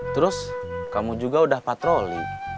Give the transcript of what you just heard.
terus kamu juga udah patroli